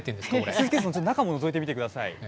スーツケースのちょっと中ものぞいてみてください。